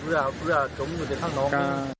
เพื่อจมอยู่ในข้างน้อง